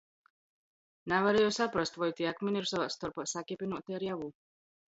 Navarieju saprast, voi tī akmini ir sovā storpā sakepynuoti ar javu.